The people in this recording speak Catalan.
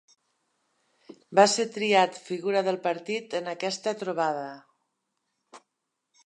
Va ser triat figura del partit en aquesta trobada.